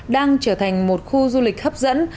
đang trở thành một khu du lịch hấp dẫn